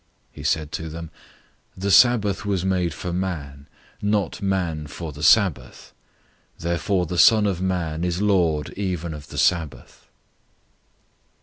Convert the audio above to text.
002:027 He said to them, "The Sabbath was made for man, not man for the Sabbath. 002:028 Therefore the Son of Man is lord even of the Sabbath."